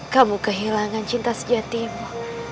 kamu kehilangan cinta sejatimu